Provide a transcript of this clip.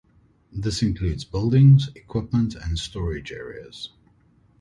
This includes buildings, equipment, and storage areas.